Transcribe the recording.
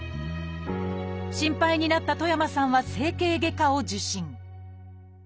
心配になった戸山さんは整形外科を受診。